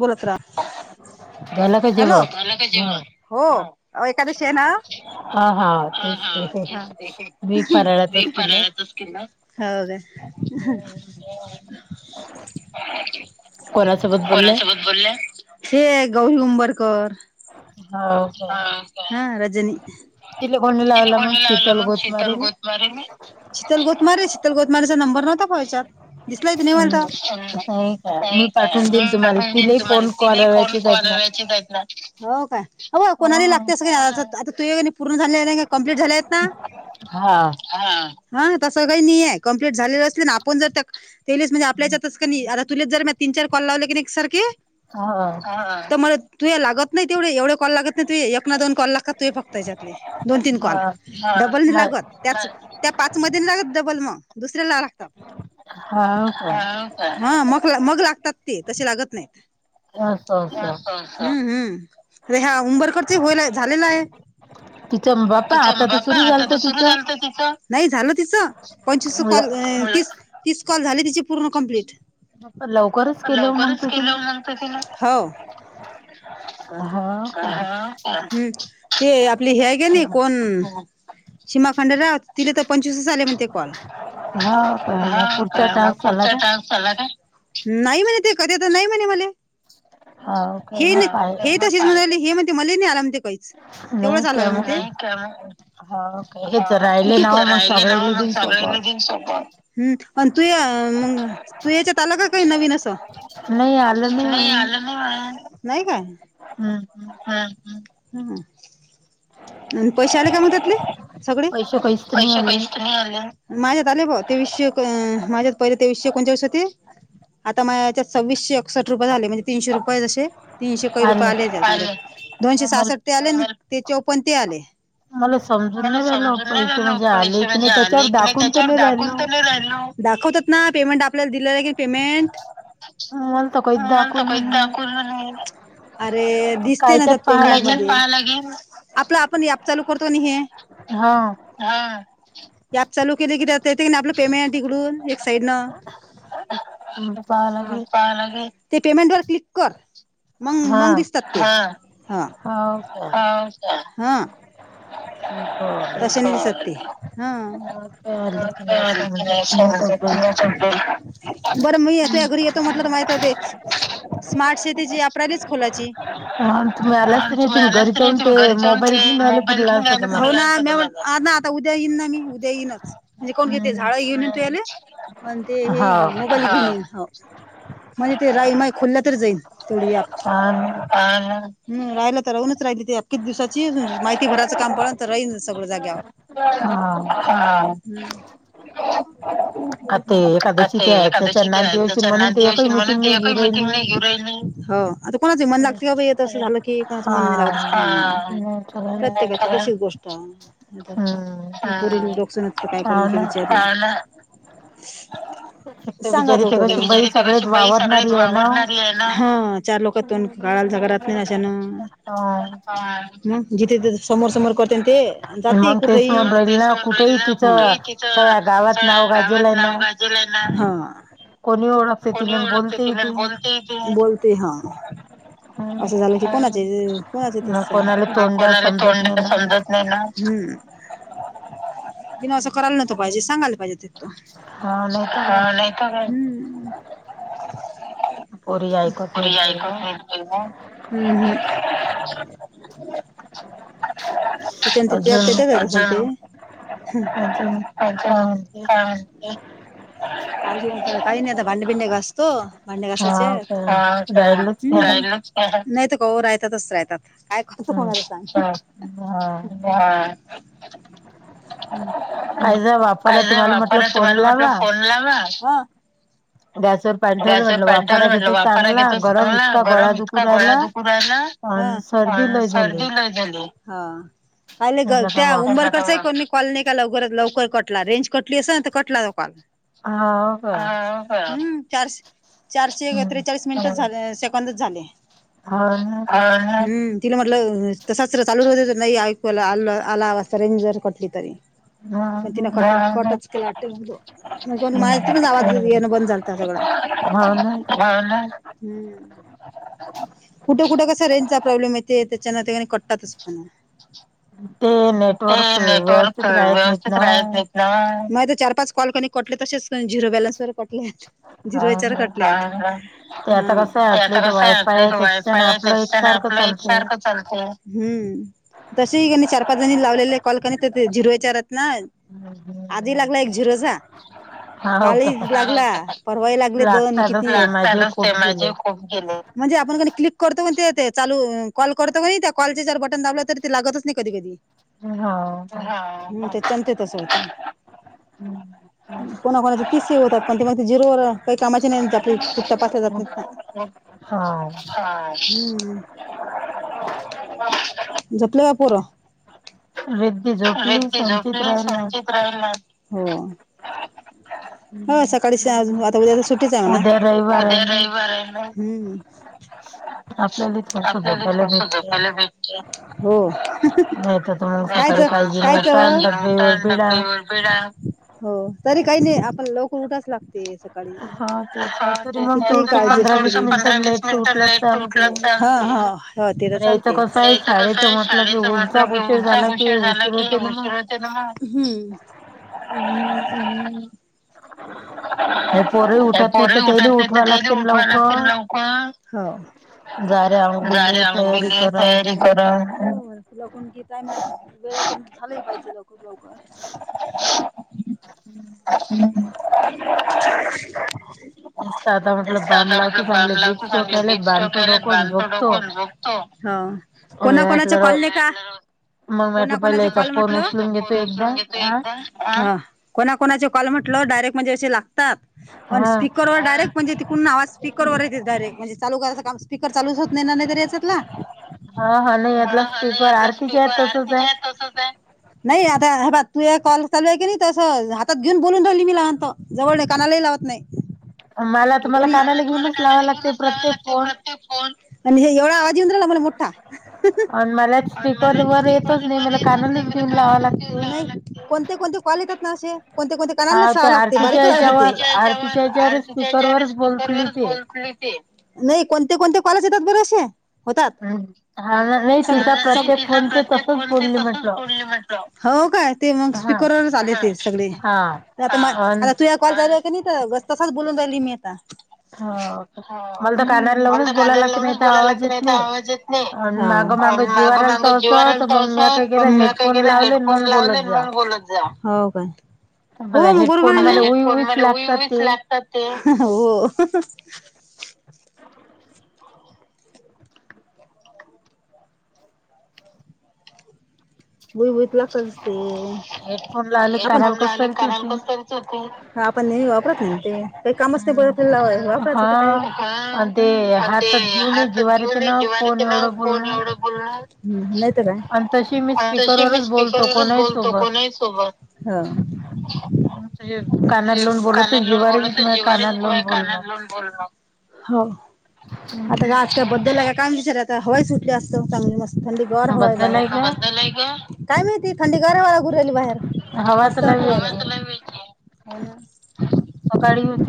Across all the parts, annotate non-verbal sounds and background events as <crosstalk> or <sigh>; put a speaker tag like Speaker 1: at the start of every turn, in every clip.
Speaker 1: बोलत रा <inaudible> हॅलो जे हो एखादशी आहे ना. <inaudible> हा हा छानतेे फराळातच कि ना. हो का <inaudible>
Speaker 2: <inaudible> <inaudible> कोणाच
Speaker 1: कोणासोबत बोलले <inaudible> हे गौरी उंबरकर. हा रजनी. <unintelligible> <unintelligible> तिने कोणी लावला मग शीताल गोतमारी मी. शीितल गोतारे शितल गोतमारीचा नबर नव्हता पाहिच्यात दिसलाय त <inaudible> नाही मल तर मीून देन तुम्हाला. तिला फोन करायची त्यातला हो का. अ कोणाला लागते अस का आता तू पूर्ण झाले आहे का कं्प्लीट झाले आहेत ना. ह हा तसं काही नाही आहे कंप्लीट झालेलं असले ना आपण जर तेच म्हणजे आपल्याच्यातच क आता तुलेच जर तीन चार कॉल लावले की एकसारखे.
Speaker 2: हा.
Speaker 1: मला तु लागतं नाही तेवढे एवढे कॉल लागतं नाही तू एक ना दोन कॉल लाग तू फक्ता याच्यातले दोन तीन कॉल डबल नाही लागतं. त्याच त्या पाच मध्ये लागत डबल मग दुसऱ्याला रा ह मग मग लागतात ते तसे लागतं नाही.
Speaker 2: असं असं
Speaker 1: हम्म हम्म अे ह्या उंबरकडच होईल झालेला आहे. तिच्या बापा आता तर सुरु झालत तिचं नाही झालं तिचं पंचवीस कॉल त तीस कॉल झाले तिचे पूर्ण कंप्लीट लवकरच केलं म्हगत तिन हो
Speaker 2: <inaudible> हा हा
Speaker 1: हम्म ते आपली हे गे ना कोण सीमाखंड राहत तिला तर पंचवीस झाले म्हण कॉल पुढचं नाही म्हणे ते कधी आता नाही म्हणे मला हे नाही हे तर शजमले हे म्हणते मला नाही आला म्हते काहीच तेवढं झालं म हा क ब राहिले नाव मग सगळले दिन सोबत हम्म आणि तू या म तू याच्यात आला का काही नवीन असं नाही आलं नाही मला नाही काय
Speaker 2: हम्म हम्म
Speaker 1: हा हा हम्म आणि पैसे आले का मग त्यातले सगळे पैसे पैसे नाही आले. माझ्यात आले भा तेवीश माझ्यात पहिले तेवीसे कोणत्या दिवस होते आता म सव्वीसशे साठ रुपये झाले म्हणजे तीनशे रुपये जसे तीनशे काही रुपये आले. दोनशे सासष्ट ते आले ना ते चौपन ते आले. मला समजून नाही झालं पैसे म्हणजे आले की नाही त्याच्यावर दाखून नाही. दाखवतात ना पेमेंट आपल्याला दिलेलं आहे की पेमेंट ह न त कोोयध कुर्न <unintelligible> अरे दिसते ना तर ते पेमेंट आपला आपण याप चालू करतो नि हे हा या चालू केले किेत क आपलं पेमेट तिकडून एक साइड न पाहाला ते पेमेंट वर क्लिक कर म मग दिसतात ते ह हा तसे नाही दिसत ते बरं मी याच अ घरी येतो म्हटलं तर माहित ते म्ट सिटी आप खोला तरी <unintelligible> हो ना ना आता उद्या येईन ना मी उद्या येईनच म्हणजे कोण घेत झाड घेऊन तु याला म्ह ते हे घेऊ मोबाईल म्हणजे ते राई माई खुल्या तरी जाईन तेवढी ह ह राहिला तर राहूनच राहिली ते अखकीच दिवसाची माहिती भराचं काम तर राहील सगळं जाग्यावर का ते एखादशी ते आहेत त्याच्याना दिश म्हणून ते काही मिटिंग नाही घेऊ हो आता कोणाच मन लागतं का तसं झालं की कोणाच मन नाही लागतं. ह प्रत्येकता बशी गोष्ट रोक्षणते काय करन ते विचार <unintelligible>
Speaker 2: ह
Speaker 1: सांगत होत बा सग वावरणारी आहे ना चोक तोन काळाला सगळत नाही अशानं
Speaker 2: हा
Speaker 1: ह जिथे तिथे समोर समोर करते ते जाते कुठेही सगळ्या गावात नावगाजला ना कोणी ओळत क बोलते तोल ते हा असं झालं की कोणा कोणाला तोंड समजा नाही ना हम् पिन असं करायला नव्हतं पाहिजे सांगायला पाहिजे ह नाही का काय पु आयकत नाही. हम् ह तिच्या तिथथ घय ह अछ हा काही नाहीता भांडी बिंडी घास तो भांडे कासायचे नाहीत का राहतातच राहतात. काय करतो मणाला सांग. काय नाही वापला तुम्हाला म्हटल फोन लाव म
Speaker 2: गॅसर
Speaker 1: गॅसवर पाणी ठेवलं म्हटलं वाफारा घेत चांगला गरम इतका गळा दुकू राला ह प सर्दी नाही झालीले त्या उबर कस म कॉल नाही का लवकरात लवकर कटला रेंज कटली अस ना तर कटला तो कॉल. अ चारशे त्रेचाळीस मिनिट झा सेकंदच झाले
Speaker 2: हो
Speaker 1: हम तिला म्हटलं तसाच चालू नाही ऐकूयला आलाज रेंज जर कर तरी मती म माहिती ना नो बंदलत सगळं हम्म कुठे कुठे कस रेंजचा प्रॉब्लेम येते त्याच्यान त्यािकाणी कटतातच पण ते नेटवर्क व्यवस्थित राह माग तर चार पाच कॉल क कटले तसेच झिरो बॅलन्स वगर कटले. जिरवेचार कटले हम् ते आता कसं असले वायफाय त्या आपलं एक सारखं. हम्म तसेही कणी चार पाच जणी लावलेले कॉलकणी तर झिरू विचारत ना. आधी लागला एक झिरसा काल लागला. रवा लाग दन किती म्हणजे आपण क क्लिक करतो ते ते चालू कॉल करतो का त्या कॉलचे जर बटन दाबलं तर ते लागतच. कधी कधी चंतेतस होत कोणाकणाचे तिसे होतात पण ते ते जिरोर. काही कामाची नाही जातली तुठच्या पाास जात नाही. हम्म झपलेबा पर रेडडी जो प्लीज सजित हो हो सकाळीहा अजून ्या तर सुटीच ना उद्या रविव आपल्याला कसोकाला भेट हो कावड हो तरी काही नाही आपण लवकर उठाच लागते ो पंध वीस मिनट लेट त उटलं हो ते तर चालतेथ कसं आहे शाळेच म्हटलं की उंचा उशीर झाला की उशीर होते ना मग हम्म
Speaker 2: हम्म.
Speaker 1: <unintelligible> पोर उठत नाही तर ते ते उठवा लागतील लवक जारे आंघोळीला तयारी कर. लकून कि टयम वेळ झाले. जाऊ का हम्. <unintelligible> आता म्हटलं बम लावतो चांगले बीच टडोका्यायला बम त डोकोो. हो कोणा कोणाचे कल्ले का? कोणा कोणाचा कॉल म्हटल फोन उचलून घेतो एकदा. कोणा कोणाचे कॉल म्हटलं डायरेक्ट म्हणजे असे लागतात. पण स्पीकरवर डायरेक्ट म्हणजे पु्हा आज स्पीकरवर डायरेट म्हणज चाल कराय का? स्ीकर चालूच होत नाही ना नाहीत याच्यातला ह ह नाही यातला स्पीकर आरतीच्या तस का? नाही आता हे तू कॉल चालू आहे की तसं हात घेऊन बोलून ठेवली मी लहान जवळ कानालाही लावत नाही. ला कानाला घेऊनच लावाव लागते प्रत्येकोन म्हण एवढा आवाज येऊनला हो.
Speaker 2: आणि मला स्पीकर वर येतोच नाही मला कानालाच घेऊन लावा लागते.
Speaker 1: कोणते कोणते कॉल येतात ना असे कोणते कोणते कनाललास आला. तिच्या याच्यावर तिच्या याच्यावर स्पीकरवरच बोल. नाही कोणते कोणते कॉलेज येतात बरेसे. होतात प्रत्येकोलते तसच बोलली म्ह. हो काय ते मग स्पीकरवरच आले ते सगळे आता म आता कॉल झा का तसच बोलून राहिली मी आता ह हम् मल तर कानाला लावूनच बोलायला लागत नाही तर आवाज माग माग जीवा राल तर असत पण म काही के हेडफोन लावले मग बोलत. हो काय?
Speaker 2: हेडफोन म
Speaker 1: कोण मला उई उच लागतात ते हो. बुई बुईत लागत अस ते हा आपण नाही वापरत नाही ते काही कामच नाही बरलेला वापरायचं काय का ते घेऊन जेवार ते ना कोण एवढं बोलणार नाहीत काय? तशी मी स्पीकर वच बोलतो कोणा सोबत.
Speaker 2: तुे कानाला लावून बोलत जिवारी
Speaker 1: आता आ का? काम विचार आता हवाय सुटली असत चांगली मस्त थंडी गर हवाय बाहेर ग. काय मीती थंडी गरा वाळा घूरहिली बाहेर मस्त. ह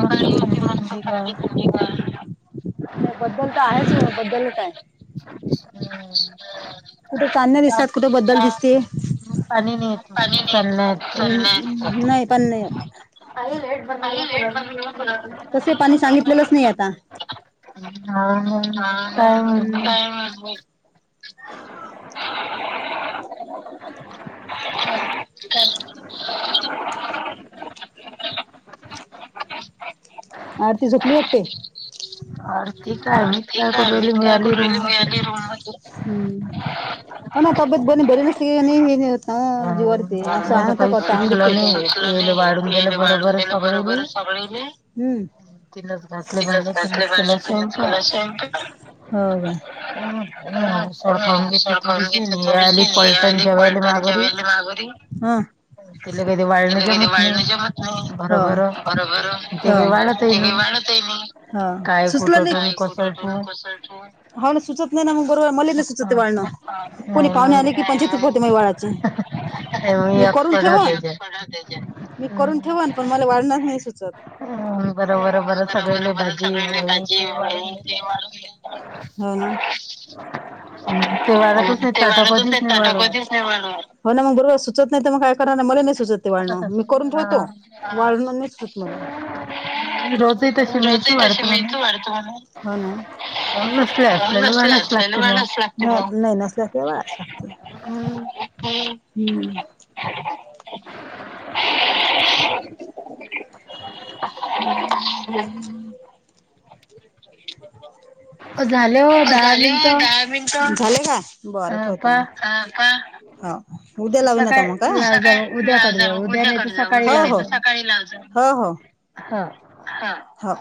Speaker 1: मका होती मस्त थं थंडी त्या बद्दल तर आहेच बद्दल काय? कुठे चांना दिसतात कुठे बद्दल दिसते. प नाही य नाही पण नाही. त पाणी सांगितलेलंच नाही आता हा.
Speaker 2: ह.
Speaker 1: <unintelligible>
Speaker 2: तर
Speaker 1: का? आर ती झोपली होते. अ ते काय मीच काय करू राहिली. मी आली रूम मध्ये, हम्म. ह ना तबेत बनी बरीन नसलीन आ.. जीवारी. ते सांगता <unintelligible> वाढून दिलं बरोबर सगळेनी. हम्म. तिलास घासले <unintelligible> हो का. खन घेतली थोडीशी नि, आली पलटणच्या वेली मागोरी. तिला वाळण जमत नाही, बरोबर ते काही वाढत. ते नी, सुचलं नाही काय कुठ कस ठू.. हा सुचत नाही ना मग, बरोबर मलै न सुचतते <unintelligible> कोणी पाहुणे आले की, पण चितूपते म बाळाचे करून ठू. मी करून ठू, पण मला वाढणार नाही सुचत. बरोबरोबर सगळ्यानी भाजी ते वाढून घेतली. होय.
Speaker 2: ते वाढतच नाही ताट, कधीच नाही वाढत.
Speaker 1: हो ना, मग बरोबर सुचत नाही तर मग, काय करणार मलै ही नाही. सुचत वळण मी करून ठेवतो. वाळण नाही मला. रोजही तशी मीचं वाढते म्हना हो ना. <unintelligible> हम्म. <inaudible>
Speaker 2: <unintelligible>
Speaker 1: <inaudible> <inaudible> झाले दहा मिनट, झाले का बर ठेवतो मग. हो उद्या लावीन आता मग का, सकाळी लाव जा उद्याकर जा हो, हो सकाळी लाव जा.
Speaker 2: हां.
Speaker 1: हां हां.